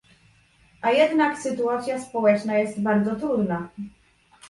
A jednak sytuacja społeczna jest bardzo trudna